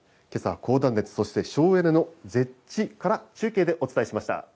けさは高断熱、そして省エネのＺＥＨから中継でお伝えしました。